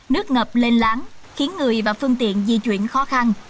nước ngập lên láng khiến người và phương tiện di chuyển khó khăn